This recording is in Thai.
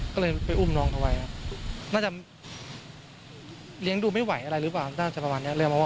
ก็เลยไปอุ้มน้องเขาไว้น่าจะเลี้ยงดูไม่ไหวอะไรหรือเปล่า